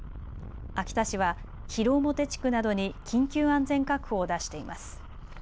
秋田市は広面地区などに緊急安全確保を出しています。